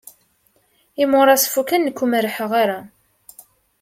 Imuras fukken nekk ur merḥeɣ ara.